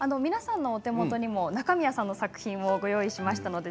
皆さんのお手元にも中宮さんの作品をご用意しました。